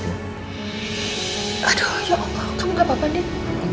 aduh ya allah kamu gak apa apa deh